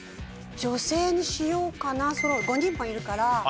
女性にしようかな５人もいるから。